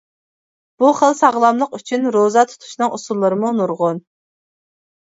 بۇ خىل ساغلاملىق ئۈچۈن روزا تۇتۇشنىڭ ئۇسۇللىرىمۇ نۇرغۇن.